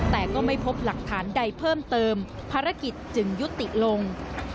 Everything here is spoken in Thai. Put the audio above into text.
แต่ก็ไม่พบหลักฐานใดเพิ่มเติมภารกิจจึงยุติลง